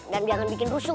dan jangan bikin rusuh